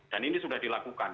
dan ini sudah dilakukan